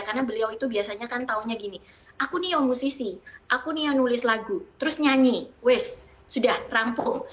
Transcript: karena beliau itu biasanya kan taunya gini aku nih yang musisi aku nih yang nulis lagu terus nyanyi wis sudah terampung